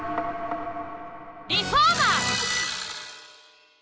リフォーマーズ！